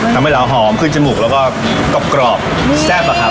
ทำไว้เบลอหอมขึ้นจมูกแล้วก็กรอบกรอบแซ่บนะครับ